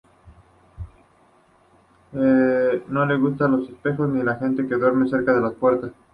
No le gustan los espejos ni la gente que duerme cerca de las puertas.